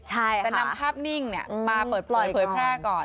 ใช่ค่ะแต่นำภาพนิ่งมาเปิดโปรยเผยแพร่ก่อน